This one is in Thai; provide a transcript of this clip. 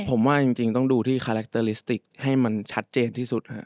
ผมว่าจริงต้องดูที่คาแรคเตอร์ลิสติกให้มันชัดเจนที่สุด